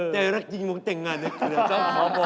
แต่รักจริงคงจะยิงอ่านในเกือบ